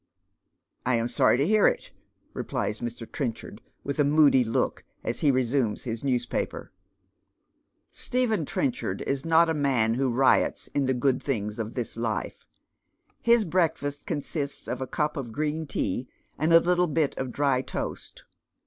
" I am Sony to bear it," replies Mr. Trenchard, with a moody look, as he resumes his newspaper. Stephen Trenchard is not a man who riots in the good things of this life. His breakfast consists of a cup of gi een tea and a little bit of dry toast.